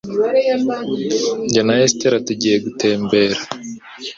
Jye na Estella tugiye gutembera.